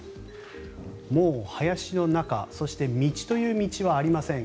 もう林の中、そして道という道はありません。